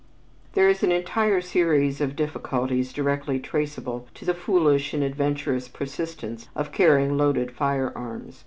There is an entire series of difficulties directly traceable to the foolish and adventurous persistence of carrying loaded firearms.